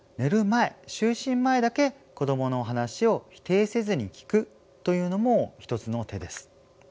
前就寝前だけ子どもの話を否定せずに聞くというのも一つの手です。